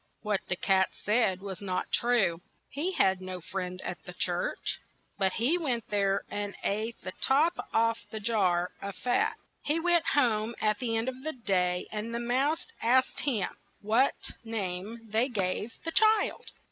What the cat said was not true, he had no friend at the church. But he went there and ate the top off the jar of fat. He went home at the end of the day, and the mouse asked him what name they gave the child.